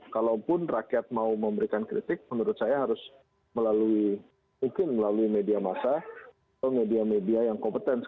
kalaupun rakyat mau memberikan kritik menurut saya harus melalui mungkin melalui media massa atau media media yang kompeten